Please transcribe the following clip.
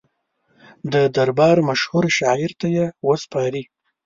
د دربار مشهور شاعر ته یې وسپاري.